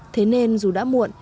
thế nên dù đã muộn